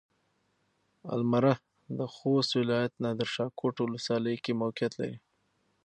المره د خوست ولايت نادرشاه کوټ ولسوالۍ کې موقعيت لري.